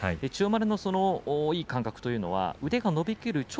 千代丸のいい感覚というのは腕が伸びきる